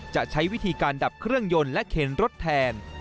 จะใช้วิธีการดับเครื่องยนต์และเข็นรถแทน